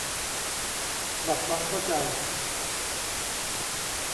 ปรับความเข้าใจ